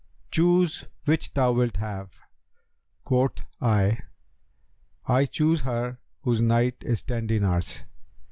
Choose which thou wilt have.' Quoth I, 'I choose her whose night is ten dinars.'